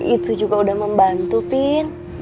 itu juga udah membantu pin